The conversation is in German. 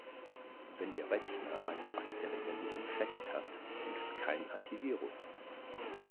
Wenn Ihr Rechner einen bakteriellen Infekt hat, hilft kein Antivirus.